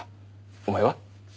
お前は？